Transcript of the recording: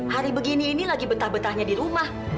hari begini ini lagi betah betahnya di rumah